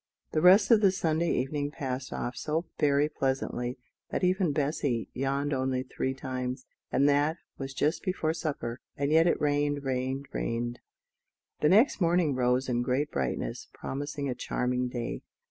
The rest of the Sunday evening passed off so very pleasantly that even Bessy yawned only three times, and that was just before supper and yet it rained rained rained. The next morning rose in great brightness, promising a charming day.